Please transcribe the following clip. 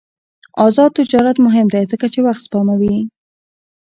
آزاد تجارت مهم دی ځکه چې وخت سپموي.